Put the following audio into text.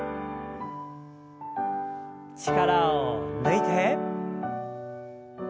力を抜いて。